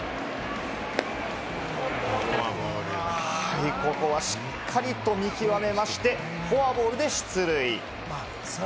はい、ここはしっかりと見極めまして、フォアボールで出塁。